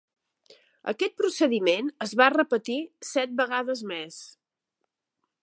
Aquest procediment es va repetir set vegades més.